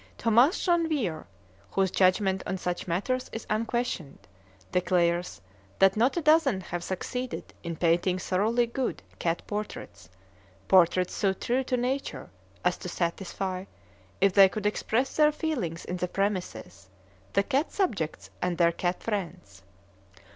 Thomas Janvier, whose judgment on such matters is unquestioned, declares that not a dozen have succeeded in painting thoroughly good cat portraits, portraits so true to nature as to satisfy if they could express their feelings in the premises the cat subjects and their cat friends.